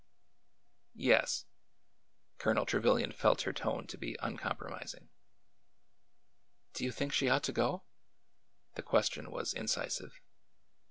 ''" Yes." Colonel Trevilian felt her tone to be uncom promising. " Do you think she ought to go ?" The question was incisive.